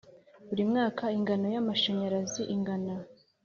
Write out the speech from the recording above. buri mwaka ingano y’amashanyarazi ingana